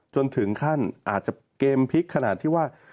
จนถึงขั้นอาจจะเกมพลิกขนาดที่ว่า